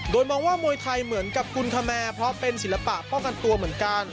โดยมองว่ามวยไทยเหมือนกับกุลคแมร์เพราะเป็นศิลปะป้องกันตัวเหมือนกัน